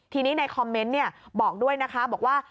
ทีนี้ในคอมเมนต์บอกด้วยนะคะบอกว่า